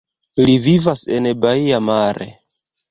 Li vivas en Baia Mare.